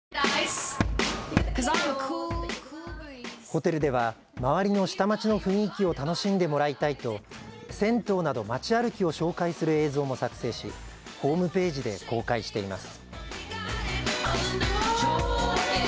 ホテルでは周りの下町の雰囲気を楽しんでもらいたいと、銭湯など町歩きを紹介する映像も作成しホームページで公開しています。